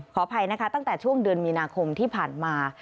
ขออภัยนะคะตั้งแต่ช่วงเดือนมีนาคมที่ผ่านมา